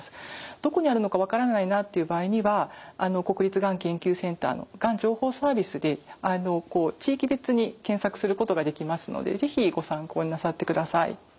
どこにあるのか分からないなっていう場合には国立がん研究センターのがん情報サービスで地域別に検索することができますので是非ご参考になさってください。